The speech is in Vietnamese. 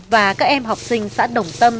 và các em học sinh xã đồng tâm